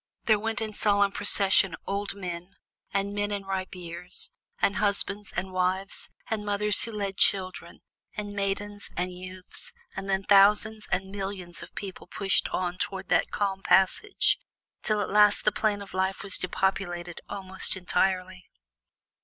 There went in solemn procession old men, and men in ripe years, and husbands and wives, and mothers who led little children, and maidens, and youths, and then thousands and millions of people pushed on toward that Calm Passage, till at last the Plain of Life was depopulated almost entirely.